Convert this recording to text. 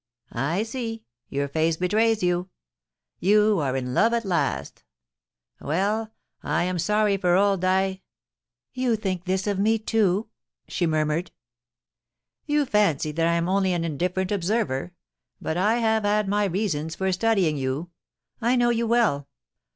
I see, your face betrays you. You are in love at last Well, I am sorry for old Dy ^* You think this of me, too ?' she murmured. * You fancy that I am only an indifferent observer ; but I have had my reasons for studying you. I know you well.